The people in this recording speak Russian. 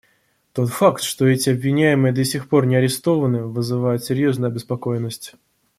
Тот факт, что эти обвиняемые до сих пор не арестованы, вызывает серьезную обеспокоенность.